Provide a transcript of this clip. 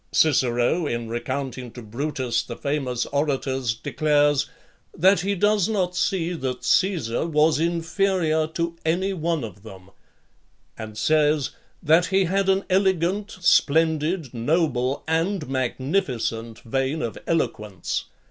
Cicero, in recounting to Brutus the famous orators, declares, "that he does not see that Caesar was inferior to any one of them;" and says, "that he (36) had an elegant, splendid, noble, and magnificent vein of eloquence."